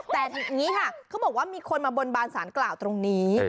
แต่อย่างนี้ค่ะเขาบอกว่ามีคนมาบนบานสารกล่าวตรงนี้